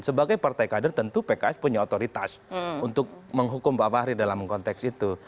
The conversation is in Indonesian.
sebagai partai kader tentu pks punya otoritas untuk menghukum pak fahri dalam konteks itu